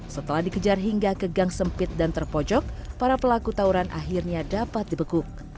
setelah dikejar hingga ke gang sempit dan terpojok para pelaku tauran akhirnya dapat dibekuk